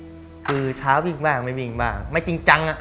คือเช้าวิ่งบ้างไม่วิ่งบ้างไม่จริงจังอ่ะ